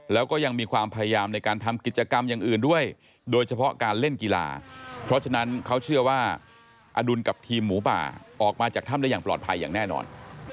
แล้วก็ยังมีความพยายามในการทำกิจกรรมอย่างอื่นด้วยโดยเฉพาะการเล่นกีฬาเพราะฉะนั้นเขาเชื่อว่าอดุลกับทีมหมูป่าออกมาจากถ้ำได้อย่างปลอดภัยอย่างแน่นอน